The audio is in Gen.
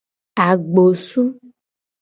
Agbosu.